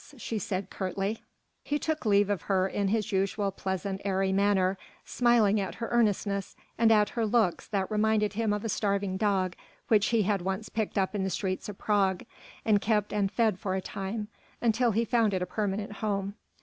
she said curtly. He took leave of her in his usual pleasant, airy manner, smiling at her earnestness and at her looks that reminded him of a starving dog which he had once picked up in the streets of Prague and kept and fed for a time, until he found it a permanent home.